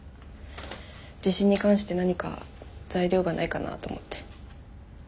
地震に関して何か材料がないかなと思って。